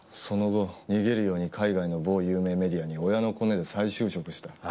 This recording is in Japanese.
その後逃げるように海外の某有名メディアに親のコネで再就職した。